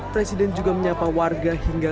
presiden juga menyapa warga hingga